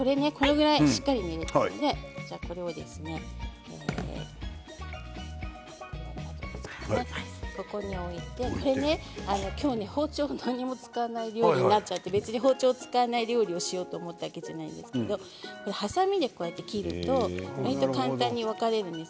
しっかり練り込んでここに置いて今日は包丁も何も使わないようになっているので包丁を使わない料理をしようと思ったわけではないんですけどはさみで切ると簡単に分かれるんです。